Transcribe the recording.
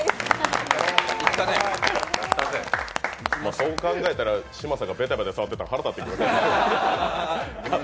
そう考えたら嶋佐がベタベタ触ってたの腹立ってきた。